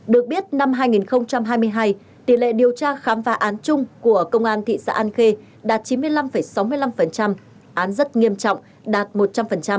được biết năm hai nghìn hai mươi hai tỷ lệ điều tra khám phá án chung của công an thị xã an khê đạt chín mươi năm sáu mươi năm án rất nghiêm trọng đạt một trăm linh